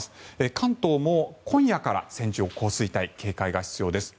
関東も今夜から線状降水帯に警戒が必要です。